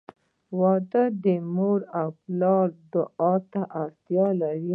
• واده د مور او پلار دعا ته اړتیا لري.